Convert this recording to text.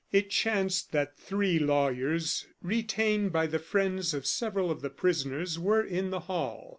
It chanced that three lawyers, retained by the friends of several of the prisoners, were in the hall.